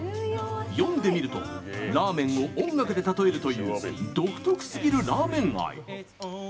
読んでみるとラーメンを音楽で例えるという独特すぎるラーメン愛。